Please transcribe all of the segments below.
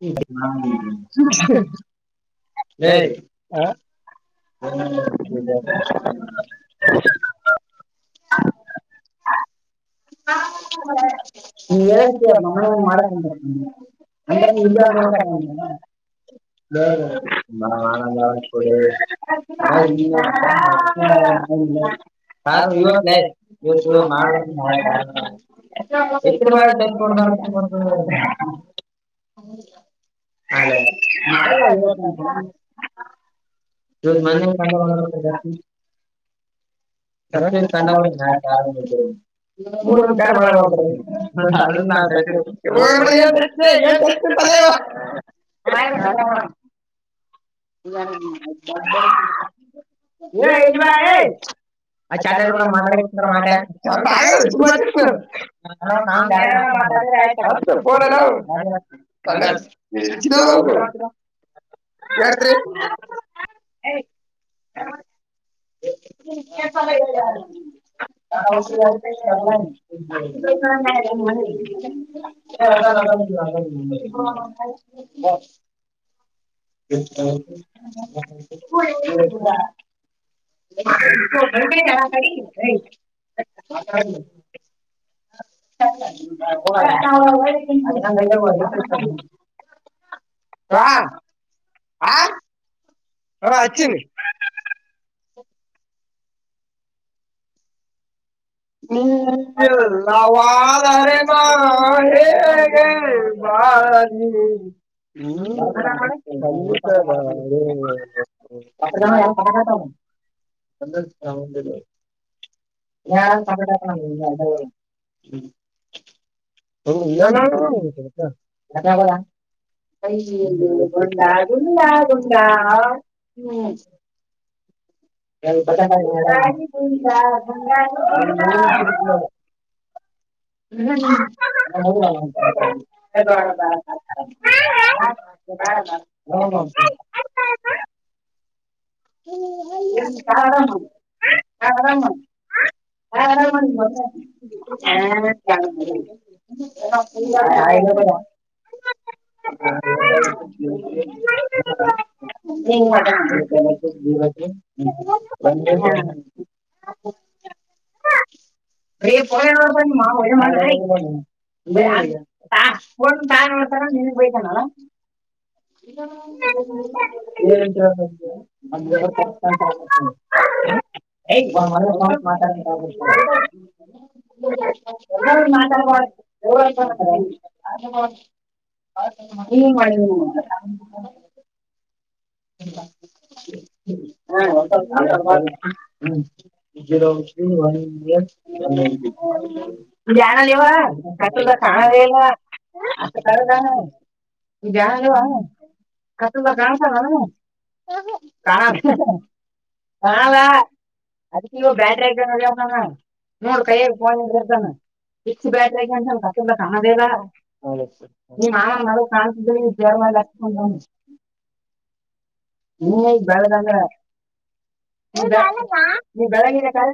ಹೇಳ ಹ ಹ ಹಾ ನೀ ಹೇಳಕ್ಕೆನ ಮಾಡಕಗೆ ಅಂಡ ಇಲ್ಲ ಅಂದ ಬದಾ ಆರಾಮ ಕೊಡು ಅಲ್ಲ ಕಾರು ಯವಕ ಲೆ ಯವ ಯವ ಮಾಡ ಕಾರಣ [inaudible] ಎತ್ತನ ಬಾಯ ಚಡ [inaudible] ಅವ [inaudible] ರೋಜ ಮ ಕಂಡತ ಜ [inaudible] ಚ ಕಣ್ಣ ಮಾಡ ನಾಯ ಆರಾಮ [inaudible] ಮೂರ್ ಒಂದ ಕ ಮಾಡ ಮಾಡ್ತಾರೆ [inaudible] ಇಲ್ಲ [inaudible] ಆ ನಲ್ಲ ಮ [inaudible] ನೀ ಏಟ್ ಬಾಯ ಏಟ್ [inaudible] ಆ ಚಾಟ ಕೂಡ ಮಾತಾಡ [inaudible] ಯ್ ಹತ್ತುೋಲ್ಲ [inaudible] ಮಾಡಡ್ತ್ರಿ [inaudible] [unintelligible] ಹ ಎಲ್ಲ [inaudible] [unintelligible] ಎ [inaudible] [unintelligible] [unintelligible] ಹ ಹ ಹಾ ಅಚನಿ ನೀವದ ರ ಮಾಾ ಹೇ [inaudible] ಹಾ [inaudible] ಹ್ಮ ಜತ [inaudible] ಅಲ್ಲ ಕಾಮಲ್ಲ [inaudible] ಕ [inaudible] ಹ ಯತ್ರ ಬ [inaudible] ಯ ಗುಂಡಾ ಗುಂಡಾ ಗುಂಡಾ್ಮ [inaudible] ಯ [inaudible] [unintelligible] [unintelligible] ಹ [inaudible] ಹ್ಮ ಶಾವ ಶಾವರ [inaudible] ಹರಾಮಂದ ಹಂದ [inaudible] ಆದ [inaudible] ನೀನ್ ಮ [inaudible] [unintelligible] ಅದೇರನರ ಮಾ ಮಾಡ [inaudible] ಾನ್ ತಾ ನೋಡ್ತಾನ ನಿಿನಗ್ ಬತನಲ್ಲ [inaudible] ಏ ಅ್ರೆ [inaudible] ಸಮತ್ ಮಾತಾಡಂತ ಆಗಷ್ಟ [inaudible] ಮಾತಾಡ್ಬಾರ [inaudible] ನೀನ್ ಮಾಡಿದ್ದೀ [inaudible] ಹಂತ [inaudible] ಹ ಹ್ಮ ಒ [inaudible] ನಲಿವ ಹತ್ತಲ್ಲ ಕಾಣ ಇಲ್ಲ [inaudible] ಅತ್ತ ಕರೆಗನ್ ಈ ಜಾಣ ಇ ಕಸ ಗ ಸ [inaudible] ಕಲ್ಲ [inaudible] ಅದಕ ಇ ಬ್ಯಾಟ್ರ ಆದರ್ತಾನ ನೋಡ್ ಕೈಯ್ಯಾಗ ಫೋನ್ ಹಡಿರ್ತಾನ ಫಿಕ್ಸ್ ಬ್ಯಾಟರಿ ಆಗ ಅಂತ ಕತ್ತಡ್ಲ ಸಣದಲ್ಲ ನೀ ಮಾವನ ಮದ ಕಾಣ್ತಿ ಕೇರ [inaudible] ಅಲಕ್ಕ ಫೋನ್ ನೀನ್ ಈಗ್ ಬೆಳೆದಂದ್ರ ನೀ ಬೆಳಗ ಕರ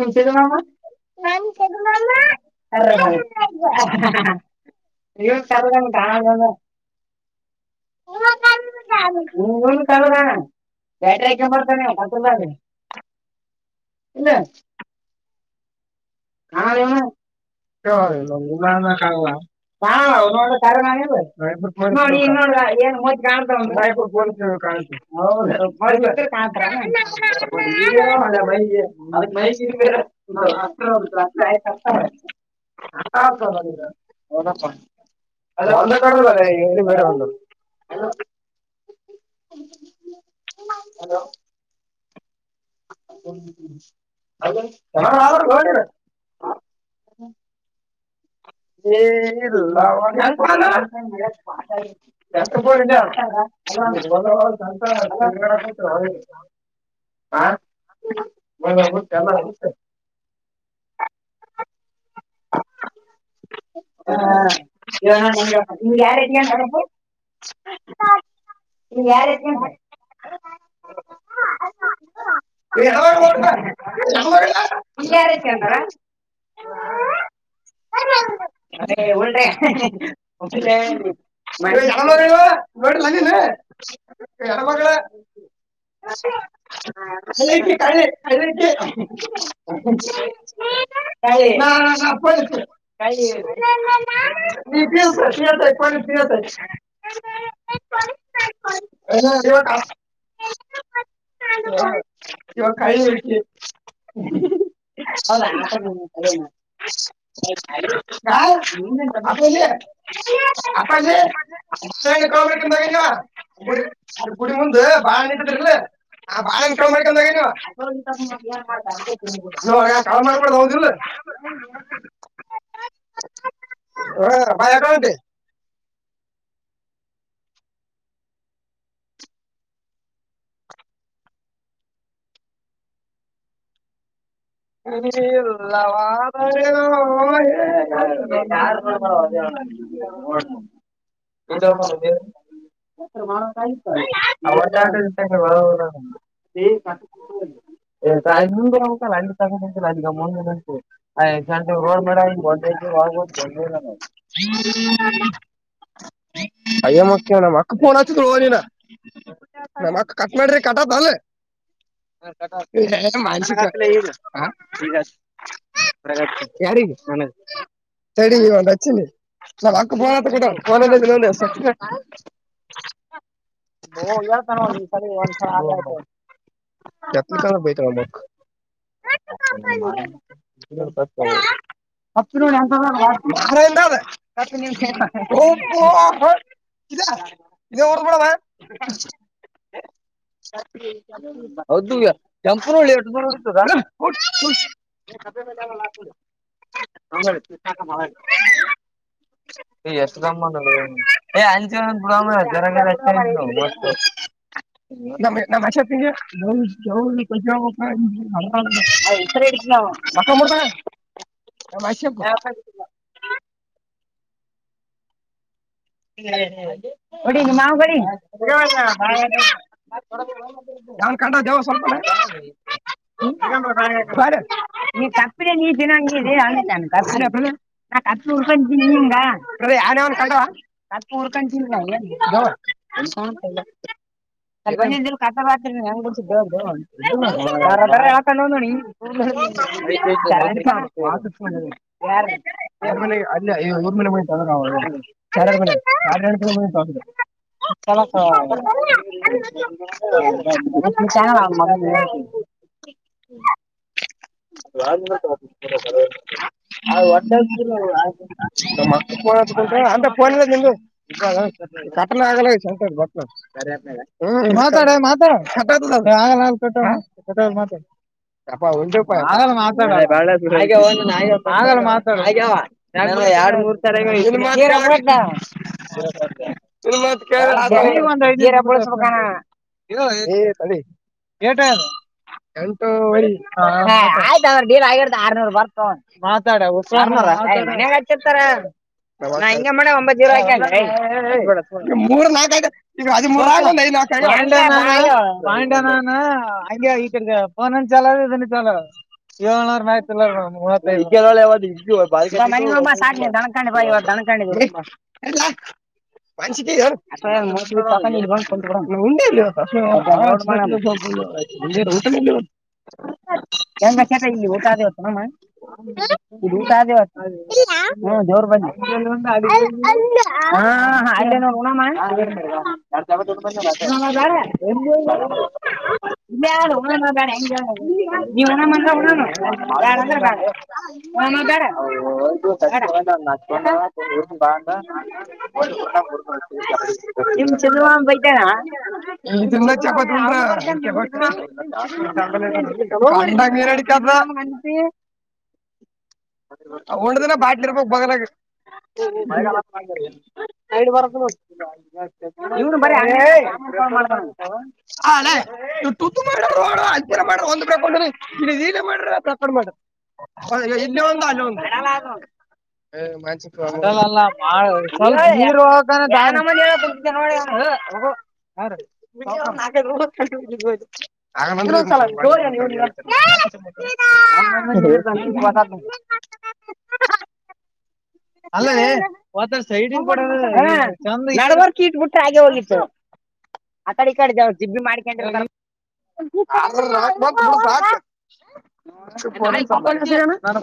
ನಿಮ್ಸಿದ ಮಾವ ನನ್ ಮಾಡ ಇ ಚಲ್ಲಾನ ಗಾನ ಗಣ ಹ ಹ ನು ಕಣ ಬಟೆ ಆಕ ಮರ್ತನ ಕಸಲ್ಲ ಇಲ್ಲ ಕಾಣಾಲಿನ ಯ ಇ ಒಂದ ಕಾಣಲ ಕಲ ಒಂದ ಒಂದು ಕರ ಏನ್ ಮ ಕಾಣ್ತ ಒ ಸಾಯಪುರ್ ಪೊಲೀಸ ಕಾಣ್ತಾಣ ಮಾ ಹದ ಅ ಒಂದು ಕಡ ಅದ ಬೇರೆ ಒಂದು ಹಲೋ ಹಲೋ ಚಲ್ಲ ಆ ಏ ಇಲ್ಲ ಯತ್ರ ಬೋರ್ ಅ ಹ ಹಾ ಡು ಕಾ ಹ ಇವನೋ ನಿ ನಿ ಯಲ್ಲ ಇದ್ದಂತ ಹೇಳು ಯಾರತಿ ಹ ಆರ್ ಎಸ್ ಅಂತಾರ ಅ ಉಳಟ ಹೇನು ಮಗಳು ಹ ಇ ಕಾಯ ಹ ಅ ಹಾ ಪ ನೀ ಪ ಪಾಯ ಪರಿಿತ ಪಸ ಎಲ್ಲ ಹ ನ ಕಾಯ ಹಚ ಅ ಲ್ಲಿ ಅಲ್ಲಿ ಕಾಮ ಮಗ ಅದು ಕುಡಿ ಮುಂದು ಬಾಳ ನೀಟ್ಟ ತ ಆ ಬಾಳ ಕಳ ಮಾಡಕ ನ ಕಳ ಮಾಡ್ ಅ ಬಾಯ ಎಕ ಉಂಟ ಯು ಹ ಇ ಮ ಕ ವಿಚಾರ ಕಾಯ ಬ ಆ ಎಹಾಂ ಟು ಲಡಾಯಿ ಚಿ ವ ನೋಡ್ದಾ ಅಯ್ಯ ಮಖ್ಯ ನಮ್ಮ್ ಅಕ್ಕ ಪೋನ್ ಹಚ್ಚಿದ ಹದಿನ ನಮ್ಮ್ ಅಕ್ಕ ಕಟ್ ಮಾಡ್ರಿ ಕಟತ್ಲ್ಲ ಮನಶಿಕ್ ಹ ಯಾರಿಗೆ ನ ಚಡಿಚ್ಚ ನ ಅಕ್ಕೋನತ್ತ ಕೂಡನ ಬೋ ಯಾರ ತ ವಂಸ ಹಾರ ಯತ್ ಕ ಬಯತ ಬ ತ ಪತ್ತನ ಅಂತಷ ಇಲ್ಲ ನೀಡು ಕೂಡ ಮಾಡ ಹೌದ ಈಗ ಕೆಂಪೂನಳ್ಳಿ ಎಷ್ಟ ಇರ್ತದಾ ಹ ಮಾಡ ಎ ಆಂಟಿಟ ಬರ ನ ನಮ್ಮ್ೆ ಹ ಎತನ ಮತ್ತತ [inaudible] ಹ್ಮ ಹೊಡಿನಿ ಮಾವ್ ಕ. ಜನ್ ಕಂಡ ದೇವ ಸ್ವಲ್ಪ ಈ ಕಪ್ಪ್ರ ನೀ ತಿಿನಂ ಅಂತ ಕ ನಾ ಕತ್ ಉರ್ಕೊಂಡೀನಿ ಕ ಕತ್ ಉರ್ಕೊಂಡ ಹ ಗವ ಕ ಬಾತ್ರಿ ನಂಗ ಗಡ್ಿಸಿದ ಅವ್ರು ಯ ಆಕೊಂಡು ಹ್ ನೋ ಚಮನೆ ಅಲ್ಲರು ಮನೆ ಮಿ ಹೌ ಎ ಬಿ ಮರ ಹ್ಮ [inaudible] ಅಂತ ಪಿಲ್ಲ ನಿು ಕಟನ್ ಆಗಲ್ಲಂತ ಗೊ ಾ ಕೊಟ್ಟ ಕೊಟ್ಟ ಮಾತ್ರ ಒ ಮಾತಾತ ಎರಡು ಮೂರ್ ತರ ಇ ಮಾ ಇ ಮತ್ ಇಲ್ಲ ತಳಟ ಎಟು ಆಯ್ತ್ರ ಬ ಆರ್ನೂರ್ ಬರ್ತ ಮಾತಾಡ ಉ ನಾ ಹಿಂಗ ಮಾಡ ಒಂಬ ಮೂರ್ ನಾಲ್ಕದಐ್ ನ ನಾನ ಹಂಗೆ ಆಗತಿರ್ಗ ಫನ ಚಲ ಇದನ್ನ ಚಲ [inaudible] ತಣ ಕೊಂಡಿದೀರಿ ಎ ಮನ್ಸಿಗೆಾರಂಡ ಟ ಕೆಂಕ ಚಕ ಇಲ್ಲಿ ಊಟ ಆದೇವತ್ತು ನಮ್ಮ ಇ ಊಟ ಆದೇವತ್ತು ಹ ಜೋರ್ ಬನ್ನಿ [inaudible] ಹಾ ಹಾ ಎ ನ ಉಋಣ ಮಾಡ ಉ ಬಾರೆ ಇ ಯ್ದ ಹಣ ಮಾಡಾರೆ ಹೆಂಗ ನೀಂದ ಬಾಳಂದ್ರೆ ಬೇಡ ಬೇಡ ಬಡ ಎ ಚ ಚನ್ನ ಚಪಾತ್ ಉಲ್ರ ವ ಅ ಮೀರ ಅಡ ಒಣ್ದಿನ ಬಾಟ್ಲಿ ಇರ್ಬಕ್ ಬಗಲಗ [inaudible] ಹೇಂಬ ಇ ಮಾಡ್ರ ಪ್ರಕ ಮಾಡಿ ಎಲ್ಲಿ ಒಂದು ಅಲ್ಲ ಒಂದು ಾನ ಮ ಕುಂತಿದ್ದ ನೋ ಹ ಹ ಬ ಅ ಇಬಟ್ಟ ಹಾಗೆ ಹೋಗಿತ್ತು ಆ ಕಡೆ ಈ ಕಡೆಾವ ಜಿಿ ಮಾಡ್ಕ [unintelligible]